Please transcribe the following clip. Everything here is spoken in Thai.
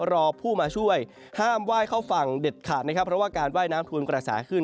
รอผู้มาช่วยห้ามไหว้เข้าฝั่งเด็ดขาดนะครับเพราะว่าการว่ายน้ำทวนกระแสขึ้น